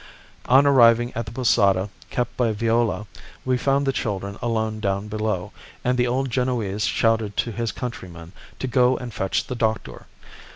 On arriving at the posada kept by Viola we found the children alone down below, and the old Genoese shouted to his countryman to go and fetch the doctor.